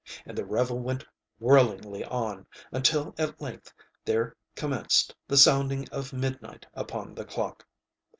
And the revel went whirlingly on, until at length there commenced the sounding of midnight upon the clock.